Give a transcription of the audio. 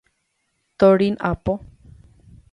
Torín apo.